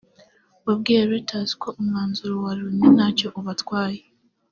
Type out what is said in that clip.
wabwiye Reuters ko umwanzuro wa Loni ntacyo ubatwaye